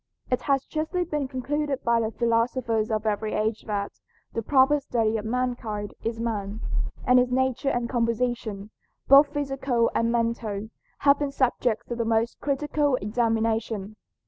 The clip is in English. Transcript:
It has justly been concluded by the philosophers of every age that "The proper study of mankind is man," and his nature and composition, both physical and mental, have been subjects of the most critical examination.